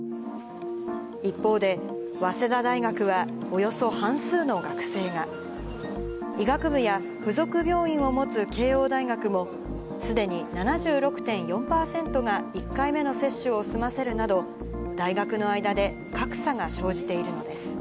一方で、早稲田大学はおよそ半数の学生が、医学部や附属病院を持つ慶応大学も、すでに７６．４％が１回目の接種を済ませるなど、大学の間で格差が生じているのです。